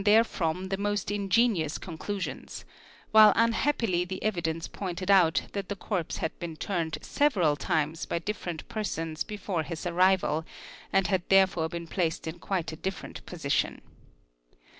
therefrom the most ingenious conclusions, while unhappily the evidene pointed out that the corpse had been turned several times by differer persons before his arrival and had therefore been placed in quite a diffe ent position.